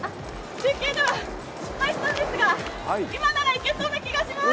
中継では失敗したんですが今ならいけそうな気がします。